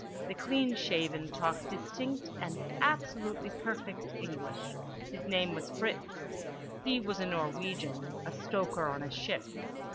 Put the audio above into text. The clean shaven talked distinct and absolutely perfect English. His name was Fritz. He was a Norwegian, a stoker on a ship.